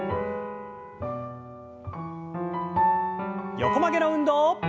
横曲げの運動。